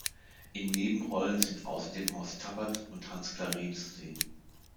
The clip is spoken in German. In Nebenrollen sind außerdem Horst Tappert und Hans Clarin zu sehen.